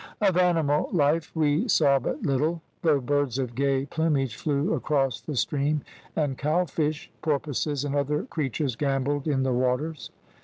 "Of animal life we saw but little, though birds of gay plumage flew across the stream, and cow fish, porpoises, and other creatures gambolled in the waters.